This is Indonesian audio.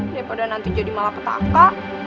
daripada nanti jadi malah ketangka